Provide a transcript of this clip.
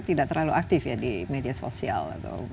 tidak terlalu aktif ya di media sosial atau